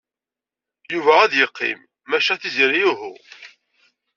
Yuba ad yeqqim, maca Tiziri uhu.